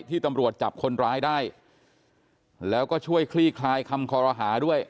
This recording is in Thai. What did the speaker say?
ที่ตำรวจจับคนร้ายได้แล้วก็ช่วยคลี่คลายคำคอรหาด้วย